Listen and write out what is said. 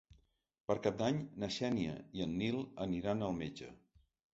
Per Cap d'Any na Xènia i en Nil aniran al metge.